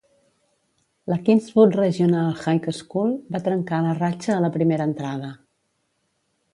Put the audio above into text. La Kingswood Regional High School va trencar la ratxa a la primera entrada.